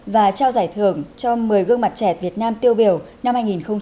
và trao giải thưởng cho một mươi gương mặt trẻ việt nam tiêu biểu năm hai nghìn một mươi chín